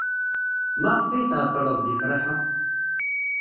Maɣef ay tɛeḍḍled deg Friḥa?